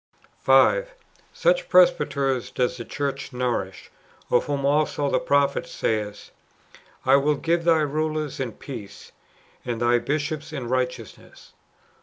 ^ 5. Such presbyters does the church nourish, of whom also the prophet says :" I will give thy rulers in peace, and thy bishops in righteousness."